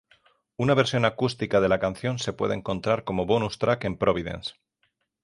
Una versión acústica de la canción se puede encontrar como bonus track en "Providence".